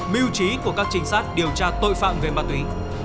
mưu trí của các trinh sát điều tra tội phạm về ma túy